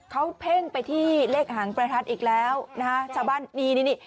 เขาเพ่งไปที่เลขหางประทัดอีกแล้วนะฮะชาวบ้านนี่นี่นี่